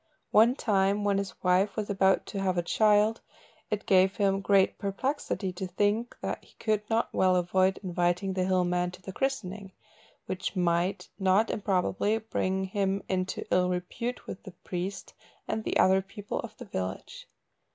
One time when his wife was about to have a child, it gave him great perplexity to think that he could not well avoid inviting the hill man to the christening, which might, not improbably, bring him into ill repute with the priest and the other people of the village.